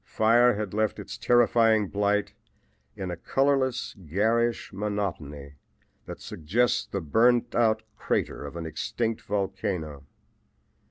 Fire had left its terrifying blight in a colorless, garish monotony that suggests the burned out crater of an extinct volcano.